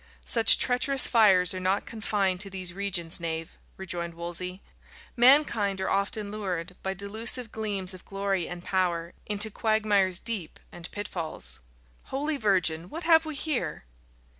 "Such treacherous fires are not confined to these regions, knave," rejoined Wolsey. "Mankind are often lured, by delusive gleams of glory and power, into quagmires deep and pitfalls. Holy Virgin; what have we here?"